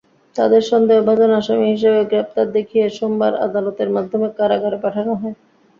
তাঁদের সন্দেহভাজন আসামি হিসেবে গ্রেপ্তার দেখিয়ে সোমবার আদালতের মাধ্যমে কারাগারে পাঠানো হয়।